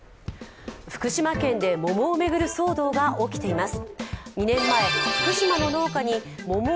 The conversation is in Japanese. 福島県で桃を巡る騒動が起きています。